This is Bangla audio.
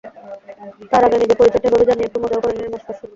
তার আগে নিজের পরিচয়টা এভাবে জানিয়ে একটু মজাও করে নিলেন মাশরাফি।